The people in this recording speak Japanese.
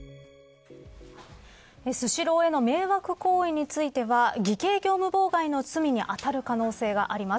スシローへの迷惑行為については偽計業務妨害の罪に当たる可能性があります。